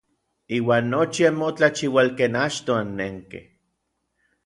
Iuan nochi anmotlachiual ken achtoj annenkej.